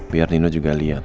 biar nino juga lihat